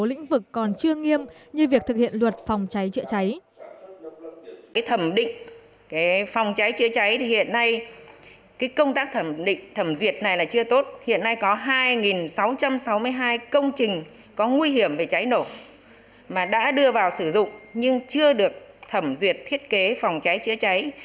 lĩnh vực còn chưa nghiêm như việc thực hiện luật phòng cháy chữa cháy